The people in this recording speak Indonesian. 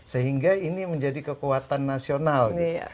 sehingga ini menjadi kekuatan nasional